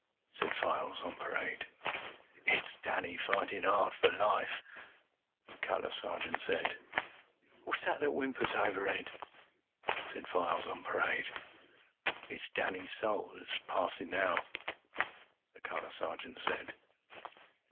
â said Files on Parade. âIt's Danny fightin' 'ard for lifeâ, the Colour Sergeant said. âWhat's that that whimpers over'ead?â said Files on Parade. âIt's Danny's soul that's passin' nowâ, the Colour Sergeant said.